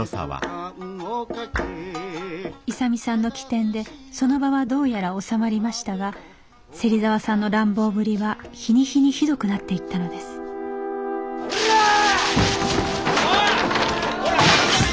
勇さんの機転でその場はどうやら収まりましたが芹沢さんの乱暴ぶりは日に日にひどくなっていったのです誰だ